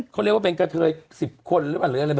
เขาเรียกว่าเป็นกระเทย๑๐คนหรือเปล่าหรืออะไร